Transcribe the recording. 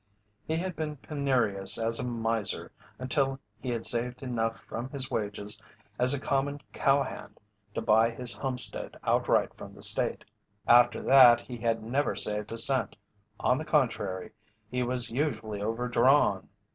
He had been penurious as a miser until he had saved enough from his wages as a common cowhand to buy his homestead outright from the State. After that he had never saved a cent, on the contrary, he was usually overdrawn.